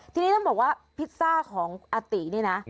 ทีนี้ต้องบอกว่าพิซซ่าของอาตินี่นะ